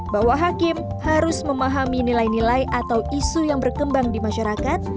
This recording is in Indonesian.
bahwa hakim harus memahami nilai nilai atau isu yang berkembang di masyarakat